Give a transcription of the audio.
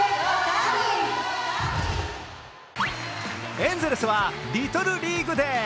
エンゼルスはリトルリーグ・デー。